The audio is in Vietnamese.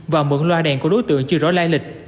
và mượn loa đèn của đối tượng chưa rõ lai lịch